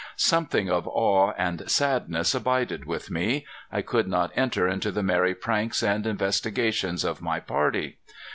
Something of awe and sadness abided with me. I could not enter into the merry pranks and investigations of my party.